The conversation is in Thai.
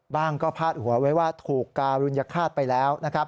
บ้างนะครับก็พาดหัวไว้ว่าถูกการุญคาตไปแล้ว